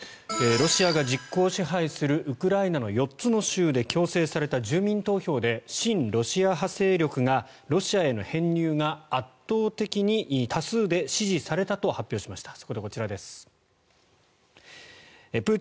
ロシアが実効支配するウクライナの４つの州で強制された住民投票で親ロシア派勢力がロシアへの編入が圧倒的に多数で支持されたと発表しました。